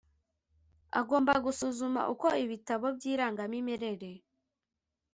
Agomba gusuzuma uko ibitabo by irangamimerere